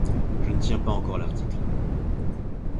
Je ne tiens pas encore l’article.